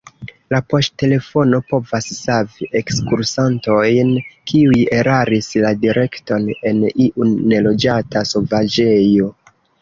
La poŝtelefono povas savi ekskursantojn, kiuj eraris la direkton en iu neloĝata sovaĝejo.